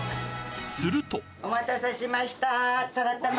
するとお待たせしました。